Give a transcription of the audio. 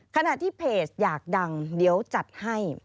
ขณะที่เพจอยากดังเดี๋ยวจัดให้